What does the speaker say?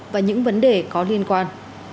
và những vấn đề có liên quan